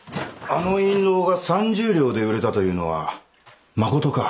あの印籠が３０両で売れたというのはまことか？